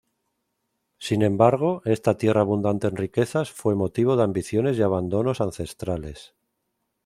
Sin embargo esta tierra abundante en riquezas, fue motivo de ambiciones y abandonos ancestrales.